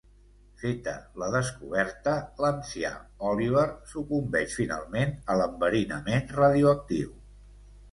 Feta la descoberta, l’ancià Oliver sucumbeix finalment a l’enverinament radioactiu.